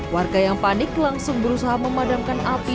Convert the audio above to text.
warga yang panik langsung berusaha memadamkan api